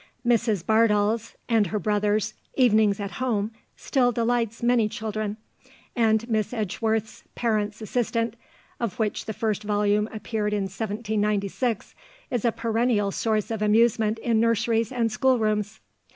Mrs Barbauld's (and her brother's) Evenings at Home still delights many children; and Miss Edgeworth's Parent's Assistant, of which the first volume appeared in 1796, is a perennial source of amusement in nurseries and schoolrooms.